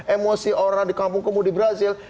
emosi orang di kampung kumuh di brazil